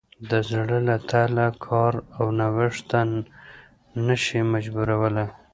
د زړه له تله کار او نوښت ته نه شي مجبورولی.